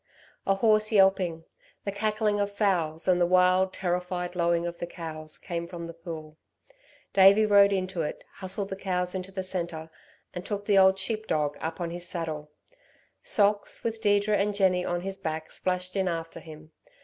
A hoarse yelping, the cackling of fowls and the wild terrified lowing of the cows, came from the pool. Davey rode into it, hustled the cows into the centre, and took the old sheep dog up on his saddle. Socks, with Deirdre and Jenny on his back, splashed in after him.